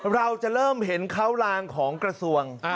เราจะเริ่มเห็นเขาลางของกระทรวง